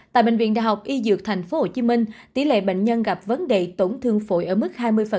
tại bệnh viện đại học y dược tp hcm tỷ lệ bệnh nhân gặp vấn đề tổn thương phổi ở mức hai mươi